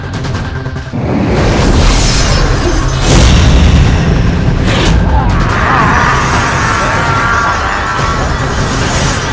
rai jangan berlalu